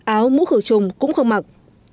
áo mũ khử trùng cũng không mặc